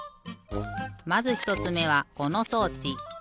まず１つめはこの装置。